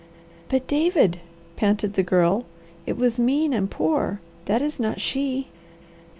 "But David," panted the Girl, "It was mean and poor. That is not she!"